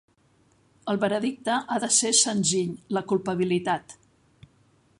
El veredicte ha de ser senzill, la culpabilitat.